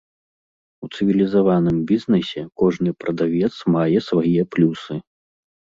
У цывілізаваным бізнэсе кожны прадавец мае свае плюсы.